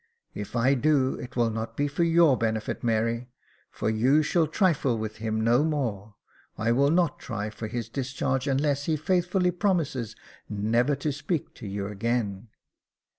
" If I do, it will not be for your benefit, Mary, for you shall trifle with him no more. I will not try for his discharge unless he faithfully promises never to speak to you again."